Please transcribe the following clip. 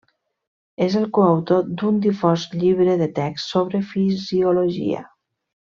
És el coautor d'un difós llibre de text sobre fisiologia.